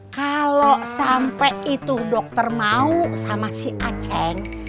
kalo sampe itu dokter mau sama si aceh